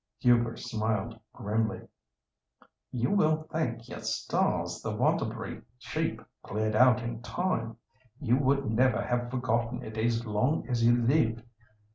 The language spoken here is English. Hubert smiled grimly. "You will thank your stars the Wantabalree sheep cleared out in time. You would never have forgotten it as long as you lived.